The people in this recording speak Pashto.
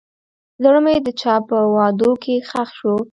زړه مې د چا په وعدو کې ښخ شو.